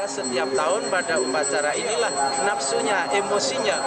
setiap tahun pada upacara inilah nafsunya emosinya